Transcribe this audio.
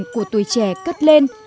của tuổi trẻ cất lên